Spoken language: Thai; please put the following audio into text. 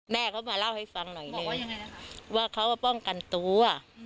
แม่เขามาเล่าให้ฟังหน่อยหนึ่งว่าเขาป้องกันตัว